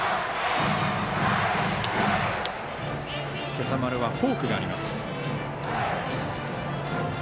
今朝丸はフォークがあります。